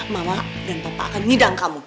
mama dan papa akan ngidang kamu